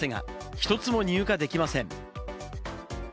１つも入荷できません。